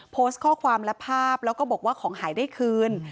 โพสต์ข้อความและภาพแล้วก็บอกว่าของหายได้คืน